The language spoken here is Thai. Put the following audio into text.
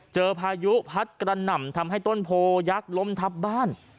พายุพัดกระหน่ำทำให้ต้นโพยักษ์ล้มทับบ้าน